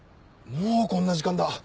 もうこんな時間だ。